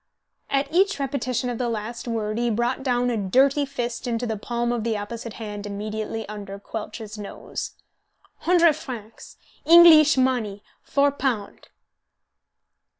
At each repetition of the last word he brought down a dirty fist into the palm of the opposite hand immediately under Quelch's nose. "Hundred francs Engleesh money, four pound."